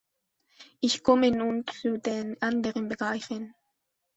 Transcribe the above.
Ich komme nun zu den anderen Bereichen.